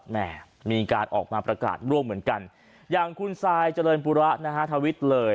แม่มีการออกมาประกาศร่วมเหมือนกันอย่างคุณซายเจริญปุระนะฮะทวิทย์เลย